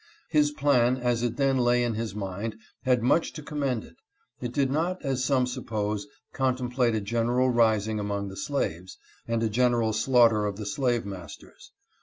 His plan as it then lay in his mind had much to commend it. It did not, as some suppose, contemplate a general rising among the slaves, and a general slaughter of the slave masters.